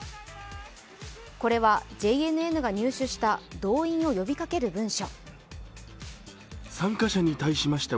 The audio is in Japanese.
これはＪＮＮが入手した動員を呼びかける文書。